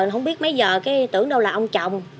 không biết mấy giờ tưởng đâu là ông chồng